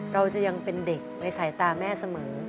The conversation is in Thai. เราจะยังเป็นเด็กในสายตาแม่เสมอ